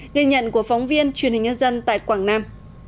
ghi nhận của phóng viên truyền hình nhân dân tại quảng nam